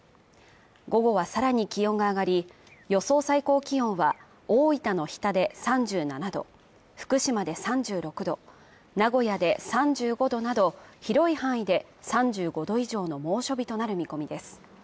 午後はさらに気温が上がり、予想最高気温は、大分の日田で３７度福島で３６度、名古屋で３５度など広い範囲で３５度以上の猛暑日となる見込みです。